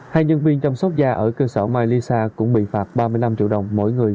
hai nhân viên chăm sóc da ở cơ sở mailisa cũng bị phạt ba mươi năm triệu đồng mỗi người